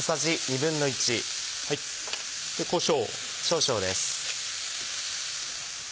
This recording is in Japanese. こしょう。